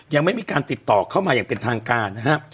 ยังไม่มีการติดต่อเข้ามาอย่างเป็นทางการนะฮะ